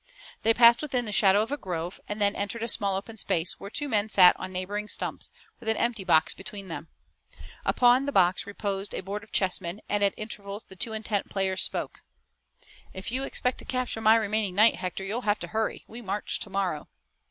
They passed within the shadow of a grove, and then entered a small open space, where two men sat on neighboring stumps, with an empty box between them. Upon the box reposed a board of chessmen and at intervals the two intent players spoke. "If you expect to capture my remaining knight, Hector, you'll have to hurry. We march tomorrow."